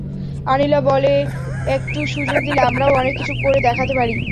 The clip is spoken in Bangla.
আনিলা বলে, একটু সুযোগ দিলে আমরাও অনেক কিছু করে দেখাতে পারি।